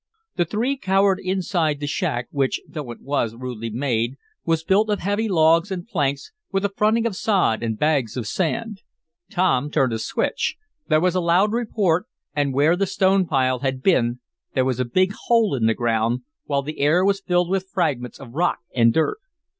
The three cowered inside the shack, which, though it was rudely made, was built of heavy logs and planks, with a fronting of sod and bags of sand. Tom turned a switch. There was a loud report, and where the stone pile had been there was a big hole in the ground, while the air was filled with fragments of rock and dirt.